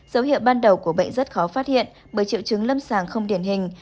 dấu hiệu ban đầu của bệnh rất khó phát hiện bởi triệu chứng lâm sàng không điển hình